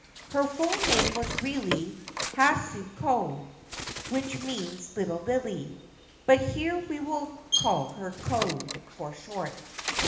Her full name was really ' Hasu ko/ which means c Little Lily '; but here we will call her ' Ko ' for short.